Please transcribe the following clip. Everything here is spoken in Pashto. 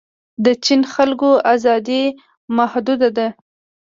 د چین خلکو ازادي محدوده ده.